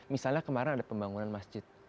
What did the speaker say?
misalnya kemarin ada pembangunan masjid